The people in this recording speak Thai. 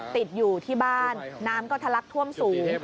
ติดอยู่ที่บ้านน้ำก็ทะลักท่วมสูง